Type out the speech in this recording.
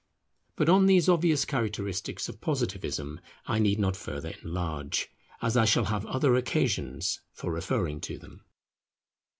But on these obvious characteristics of Positivism I need not further enlarge, as I shall have other occasions for referring to them.